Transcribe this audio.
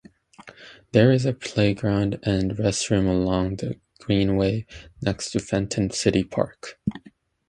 There is a playground and restrooms along the Greenway next to Fenton City Park.